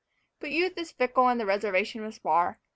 But youth is fickle and the reservation was far.